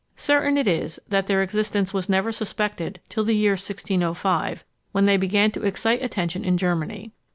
Certain it is, that their existence was never suspected till the year 1605, when they began to excite attention in Germany.